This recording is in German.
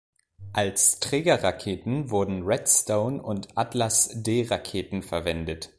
Als Trägerraketen wurden Redstone- und Atlas-D-Raketen verwendet.